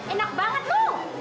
enak banget lu